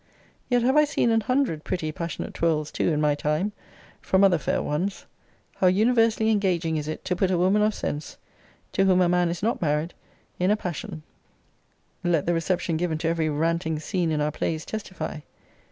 Yet have I seen an hundred pretty passionate twirls too, in my time, from other fair ones. How universally engaging is it to put a woman of sense, to whom a man is not married, in a passion, let the reception given to every ranting scene in our plays testify.